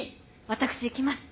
私行きます。